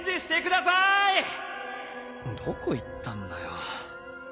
どこ行ったんだよ。